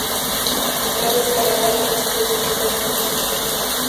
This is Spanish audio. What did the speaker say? Está declarada de utilidad pública.